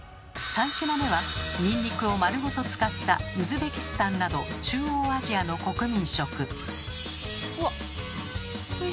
３品目はニンニクを丸ごと使ったウズベキスタンなど中央アジアの国民食。